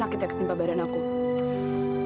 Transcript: jangan sampai papa kalian biar ibu abang